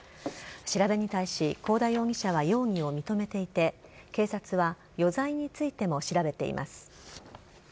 調べに対し幸田容疑者は容疑を認めていて警察は余罪についても調べています。